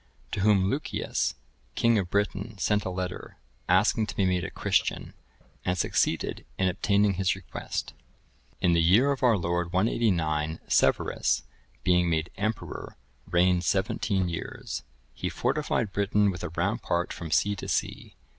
(1032) To whom Lucius, king of Britain, sent a letter, asking to be made a Christian, and succeeded in obtaining his request. [I, 4.] In the year of our Lord 189, Severus, being made emperor, reigned seventeen years; he fortified Britain with a rampart from sea to sea.